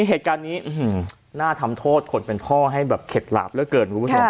เหตุการณ์นี้น่าทำโทษคนเป็นพ่อให้แบบเข็ดหลาบเหลือเกินคุณผู้ชม